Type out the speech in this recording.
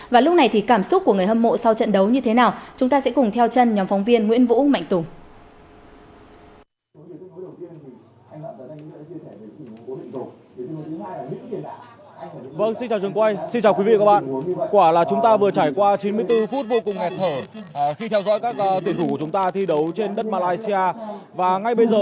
và lúc này thì cảm xúc của người hâm mộ sau trận đấu như thế nào chúng ta sẽ cùng theo chân nhóm phóng viên nguyễn vũ mạnh tùng